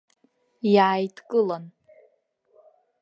Иааидкылан.